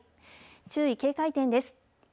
注意、警戒点です。